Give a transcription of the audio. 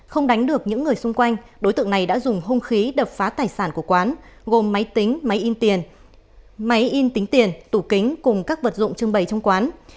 không đánh được những người xung quanh đối tượng này đã dùng hông khí đập phá tài sản của quán gồm máy tính máy in tiền tủ kính cùng các vật dụng trưng bày trong quán